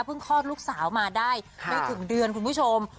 คลอดลูกสาวมาได้ไม่ถึงเดือนคุณผู้ชม